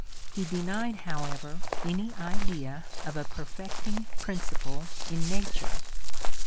He denied, however, any idea of a perfecting principle in nature.